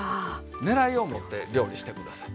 ねらいを持って料理して下さい。